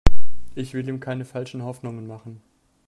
Ich will ihm keine falschen Hoffnungen machen.